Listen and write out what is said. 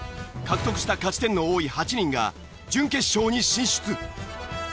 獲得した勝ち点の多い８人が準決勝に進出。